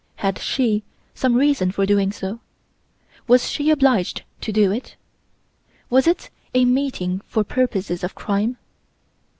Had she some reason for doing so? Was she obliged to do it? Was it a meeting for purposes of crime?